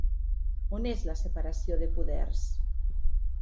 On és la separació de poders?